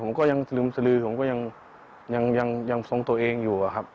ผมก็ยังสลึมสลือผมก็ยังทรงตัวเองอยู่อะครับ